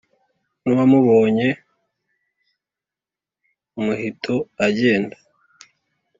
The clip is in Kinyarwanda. n’uwamubonye umuhito agenda,